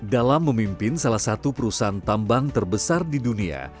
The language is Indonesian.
dalam memimpin salah satu perusahaan tambang terbesar di dunia